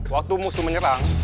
waktu musuh menyerang